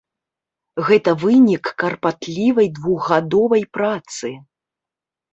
Гэта вынік карпатлівай двухгадовай працы.